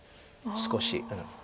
少し。